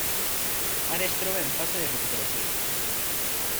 Ara es troba en fase de recuperació.